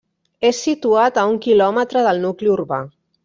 És situat a un quilòmetre del nucli urbà.